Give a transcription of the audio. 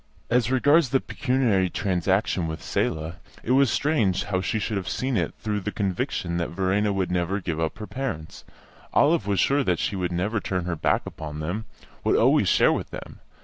As regards the pecuniary transaction with Selah, it was strange how she should have seen it through the conviction that Verena would never give up her parents. Olive was sure that she would never turn her back upon them, would always share with them.